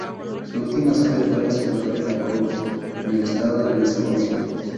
Su última sede fue la ciudad de La Crosse, en el estado de Wisconsin.